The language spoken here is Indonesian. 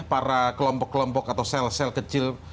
para kelompok kelompok atau sel sel kecil